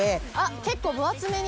結構分厚めに。